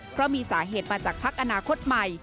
เพราะมีสาเหตุมาจากพักอนาคตใหม่